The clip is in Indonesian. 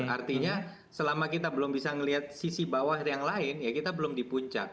artinya selama kita belum bisa melihat sisi bawah yang lain ya kita belum di puncak